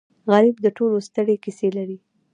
غریب د ټولو ستړې کیسې لري